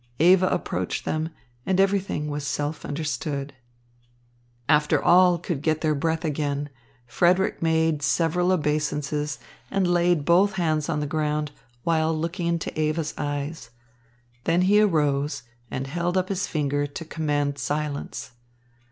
Eva approached them, and everything was self understood. After all could get their breath again, Frederick made several obeisances and laid both hands on the ground, while looking into Eva's eyes. Then he arose and held up his finger to command silence.